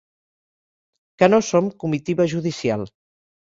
Que no som comitiva judicial.